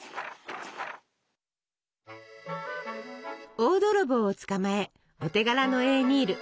大泥棒を捕まえお手柄のエーミール。